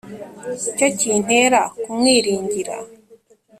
ni cyo kintera kumwiringira.»